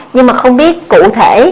nhưng mà không biết cụ thể